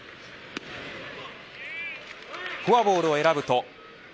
フォアボールを選ぶと。